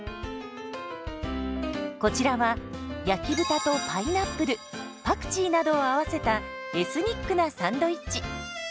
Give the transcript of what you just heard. こちらは焼き豚とパイナップルパクチーなどを合わせたエスニックなサンドイッチ。